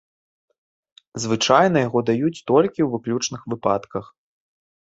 Звычайна яго даюць толькі ў выключных выпадках.